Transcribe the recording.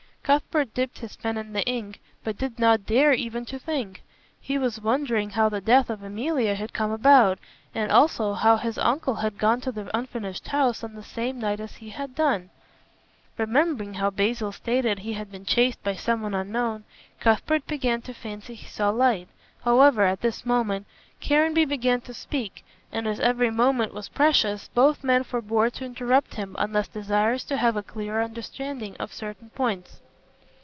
Cuthbert dipped his pen in the ink, but did not dare even to think. He was wondering how the death of Emilia had come about, and also how his uncle had gone to the unfinished house on the same night as he had done. Remembering how Basil stated he had been chased by someone unknown, Cuthbert began to fancy he saw light. However, at this moment Caranby began to speak, and as every moment was precious, both men forbore to interrupt him unless desirous to have a clearer understanding on certain points.